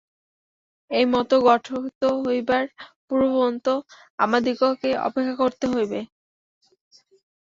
এই মত গঠিত হইবার পূর্ব পর্যন্ত আমাদিগকে অপেক্ষা করিতে হইবে।